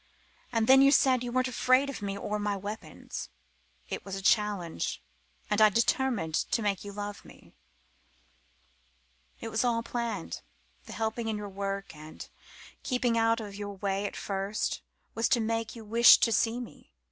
And then you said you weren't afraid of me or my weapons. It was a challenge. And I determined to make you love me. It was all planned, the helping in your work and keeping out of your way at first was to make you wish to see me.